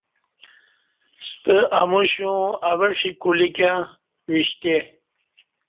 ستہ اموشیوں اوہ ݜی کلیکں وشتہ